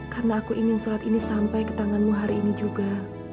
karena aku ingin surat ini sampai ke tanganmu hari ini juga